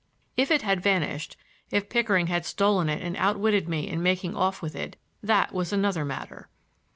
If it had vanished, if Pickering had stolen it and outwitted me in making off with it, that was another matter.